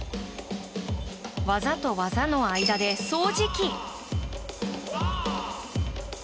技と技の間で掃除機！